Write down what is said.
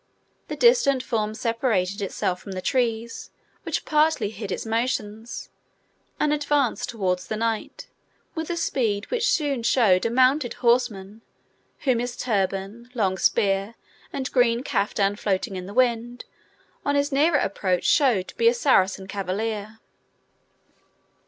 The distant form separated itself from the trees, which partly hid its motions, and advanced towards the knight with a speed which soon showed a mounted horseman, whom his turban, long spear, and green caftan floating in the wind, on his nearer approach showed to be a Saracen cavalier.